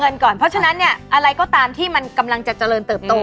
เพราะฉะนั้นเนี่ยอะไรก็ตามที่มันกำลังจะเจริญเติบโต